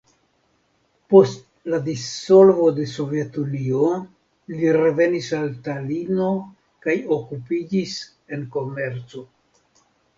Post la dissolvo de Sovetunio li revenis al Talino kaj okupiĝis en komerco.